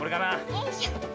よいしょ。